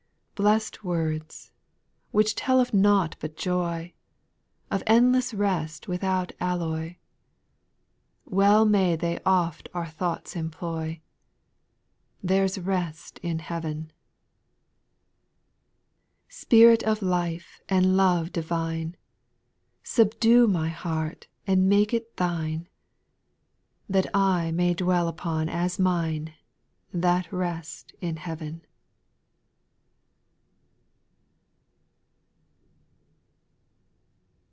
4. Blest words I which tell of nought but joy, Of endless rest without alloy, Well may they oft our thoughts employ —There 's rest in heaven." 5f Spirit of life and love divine, Subdue my heart and make it Thine, That I may dwell upon as mine, That " rest in heaven."